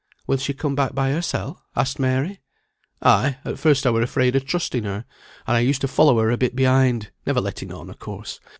"Will she come back by hersel?" asked Mary. "Ay. At first I were afraid o' trusting her, and I used to follow her a bit behind; never letting on, of course.